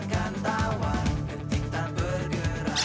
tantawan tercinta bergerak